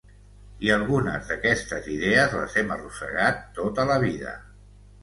I algunes d'aquestes idees les hem arrossegat tota la vida